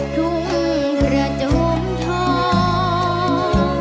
ทุ่มประจงท้อง